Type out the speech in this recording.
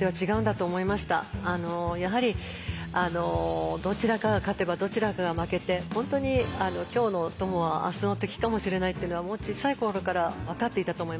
やはりどちらかが勝てばどちらかが負けて本当に今日の友は明日の敵かもしれないっていうのはもう小さい頃から分かっていたと思いますね。